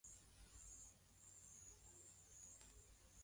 Wanajeshi tisa walioshtakiwa ni pamoja na luteini kanali na mameja watatu